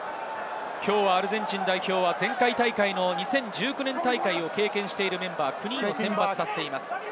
アルゼンチン代表は前回大会の２０１９年大会を経験しているメンバーが９人います。